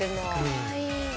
かわいい。